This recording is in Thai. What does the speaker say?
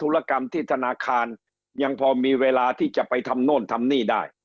กรรมที่ธนาคารยังพอมีเวลาที่จะไปทำโน่นทำนี่ได้